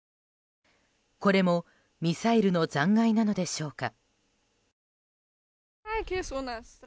これもミサイルの残骸なのでしょうか。